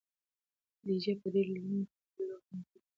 خدیجې په ډېرې لورېنې سره خپله لور خونې ته د ننه راوبلله.